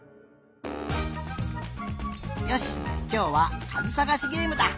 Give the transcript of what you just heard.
よしきょうはかずさがしゲームだ！